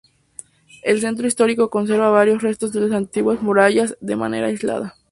El Centro Histórico conserva varios restos de las antiguas murallas de manera aislada.